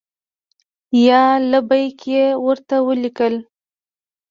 یا لبیک! یې ورته ولیکل.